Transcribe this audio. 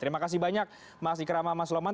terima kasih banyak mas ikrama mas loman